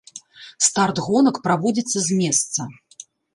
Старт гонак праводзіцца з месца.